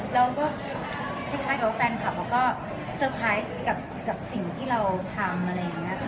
เราก็เหมือนกับแฟนครับเราก็เซอร์ไพรส์กับสิ่งที่เราทำ